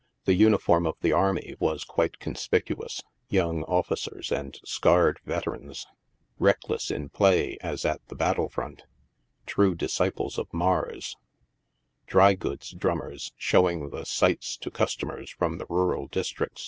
The uniform ot the army was quite conspicu ous — young officers and scarred veterans — reckless in play as at the battle front — true disciples of Mars — drygoods drummers, showing the sights to customers from the rural district